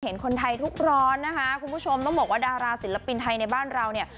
เห็นคนไทยทุกร้อนนะคะคุณผู้ชมต้องบอกว่าดาราศิลปินไทยในบ้านเราเนี่ย